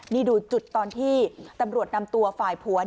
นี่ดูจุดตอนที่ตำรวจนำตัวฝ่ายผัว